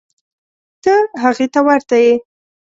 ته هغې ته ورته یې.